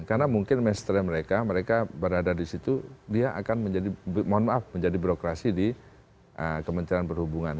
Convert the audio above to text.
karena mungkin mesternya mereka mereka berada di situ dia akan menjadi mohon maaf menjadi berokrasi di kemenceran perhubungan